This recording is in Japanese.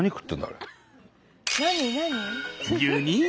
あれ。